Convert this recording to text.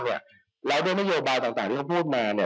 เนื้อมโยบายต่างก็คือ